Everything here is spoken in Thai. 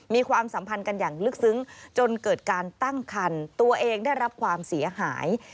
ความสัมพันธ์กันอย่างลึกซึ้งจนเกิดการตั้งคันตัวเองได้รับความเสียหาย